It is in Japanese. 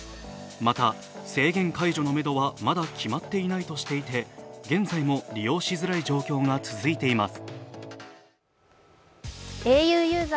また、制限解除のめどはまだ決まっていないとしていて現在も利用しづらい状況が続いています。